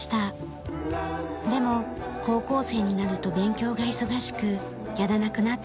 でも高校生になると勉強が忙しくやらなくなっていました。